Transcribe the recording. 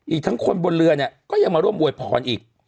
อีกทั้งคนบนเรือเนี่ยก็ยังมาร่วมอวยพรอีก